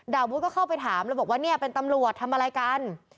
วุฒิก็เข้าไปถามแล้วบอกว่าเนี่ยเป็นตำรวจทำอะไรกัน